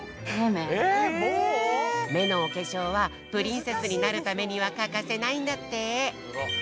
めのおけしょうはプリンセスになるためにはかかせないんだって。